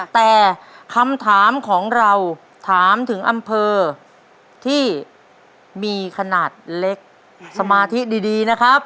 แต่คำถามของเราถามถึงอำเภอที่มีขนาดเล็กสมาธิดีนะครับ